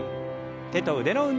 手と腕の運動から。